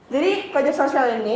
jadi proyek sosial ini